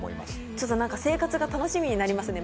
ちょっと何か生活が楽しみになりますね